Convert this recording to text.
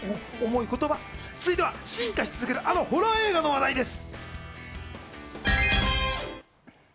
続いては、進化し続けるあのホラー映画の話題です。